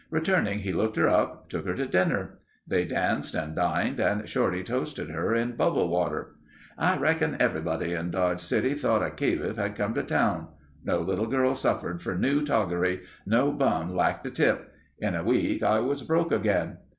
Returning, he looked her up, took her to dinner. They danced and dined and Shorty toasted her in "bubble water." "I reckon everybody in Dodge City thought a caliph had come to town. No little girl suffered for new toggery. No bum lacked a tip. In a week I was broke again.